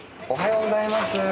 おはようございます。